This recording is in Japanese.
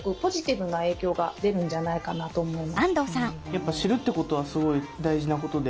やっぱ知るってことはすごい大事なことで。